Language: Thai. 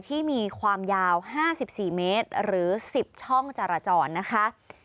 ที่มีความยาว๕๔เมตรหรือ๑๐ช่องจราจรนะคะ